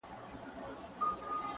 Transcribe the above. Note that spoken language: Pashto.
د کرنې ځمکه بله ورځ تازه کېږي.